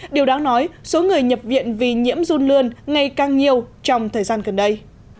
điều đáng nói số người nhập viện vì nhiễm run lươn ngày càng nhiều trong thời gian gần đây